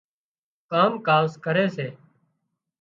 ڪام ڪاز ڪري سي